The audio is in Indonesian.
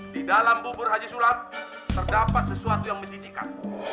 di dalam bubur haji sulam terdapat sesuatu yang mencicikan